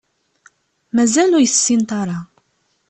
Mazal ur iyi-tessineḍ ara.